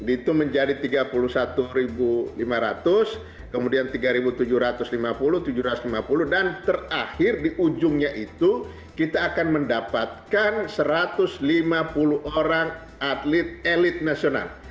itu menjadi tiga puluh satu lima ratus kemudian tiga tujuh ratus lima puluh tujuh ratus lima puluh dan terakhir di ujungnya itu kita akan mendapatkan satu ratus lima puluh orang atlet elit nasional